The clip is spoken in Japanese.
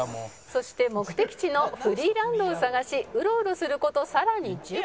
「そして目的地のフリーランドを探しうろうろする事さらに１０分」